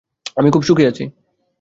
আমি খুব সুখে আছি।